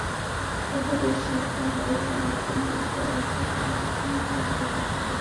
পাশাপাশি শিক্ষা ব্যয় সামর্থ্যের মধ্যে রাখতে প্রতিষ্ঠানটিতে কিস্তিতে অর্থ দেওয়ার ব্যবস্থা আছে।